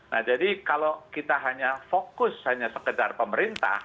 nah jadi kalau kita hanya fokus hanya sekedar pemerintah